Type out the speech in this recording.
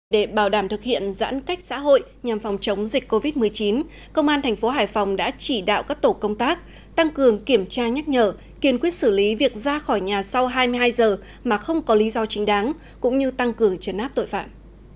để bảo đảm thực hiện giãn cách xã hội nhằm phòng chống dịch covid một mươi chín công an thành phố hải phòng đã chỉ đạo các tổ công tác tăng cường kiểm tra nhắc nhở kiên quyết xử lý việc ra khỏi nhà sau hai mươi hai giờ mà không có lý do chính đáng cũng như tăng cường chấn áp tội phạm